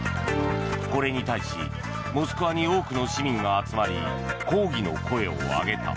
これに対しモスクワに多くの市民が集まり抗議の声を上げた。